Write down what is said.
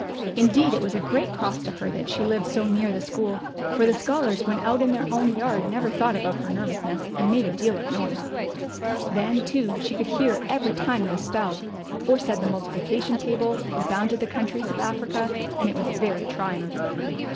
Indeed it was a great cross to lier that she lived so near the school, for the scholars when out in their own yard never thought al)out her nervous ness, and made a deal of noise. Then, too, she could hear every time they spelled, or said the multiplication table, or bounded the countries of Africa, and it was very trying.